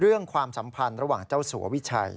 ความสัมพันธ์ระหว่างเจ้าสัววิชัย